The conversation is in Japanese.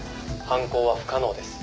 「犯行は不可能です。